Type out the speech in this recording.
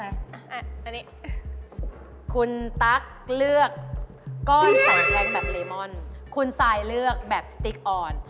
อันนี้คุณตั๊กเลือกก้อนใส่แคลงแบบเลมอนคุณซายเลือกแบบสติ๊กอ่อน